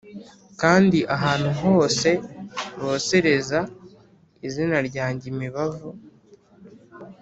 kandi ahantu hose bosereza izina ryanjye imibavu